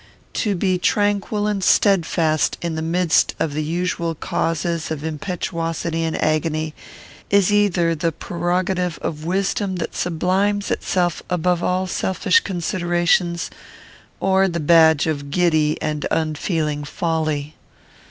To be tranquil and steadfast, in the midst of the usual causes of impetuosity and agony, is either the prerogative of wisdom that sublimes itself above all selfish considerations, or the badge of giddy and unfeeling folly.